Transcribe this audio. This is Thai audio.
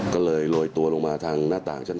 ก็เลยโรยตัวลงมาทางหน้าต่างชั้น